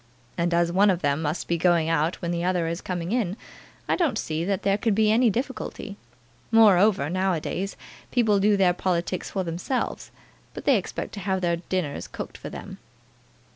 And as one of them must be going out when the other is coming in, I don't see that there can be any difficulty. Moreover, now a days, people do their politics for themselves, but they expect to have their dinners cooked for them."